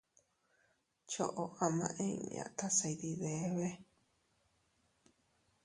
Choʼo ama inña tase iydidebe.